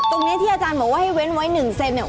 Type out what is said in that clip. ตรงนี้ที่อาจารย์บอกว่าให้เว้นไว้๑เซนเนี่ย